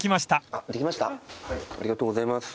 ありがとうございます。